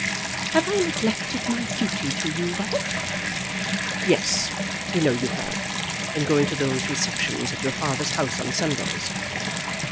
"Have I neglected my duty to you, Robert?" "Yes, you know you have; in going to those receptions at your father's house on Sundays."